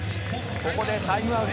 ここでタイムアウト。